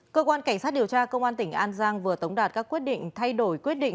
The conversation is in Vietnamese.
cơ quan cảnh sát điều tra công an tỉnh an giang vừa tống đạt các quyết định thay đổi quyết định